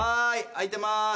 開いてまーす。